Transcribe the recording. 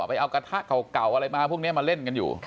ไปเอากระทะเก่าอะไรมาพวกนี้มาเล่นกันอยู่